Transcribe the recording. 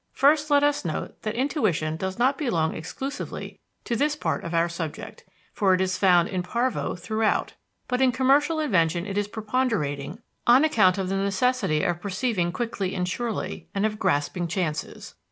First let us note that intuition does not belong exclusively to this part of our subject, for it is found in parvo throughout; but in commercial invention it is preponderating on account of the necessity of perceiving quickly and surely, and of grasping chances.